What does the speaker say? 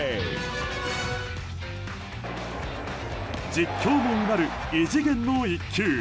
実況もうなる異次元の一球。